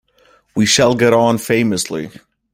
We shall get on famously.